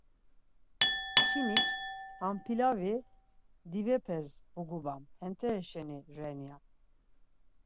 Kçinik, Ham pilavi divepes bugubam, hentereşi ren ya.